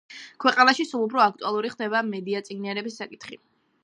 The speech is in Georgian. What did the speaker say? ქვეყანაში სულ უფრო აქტუალური ხდება მედიაწიგნიერების საკითხი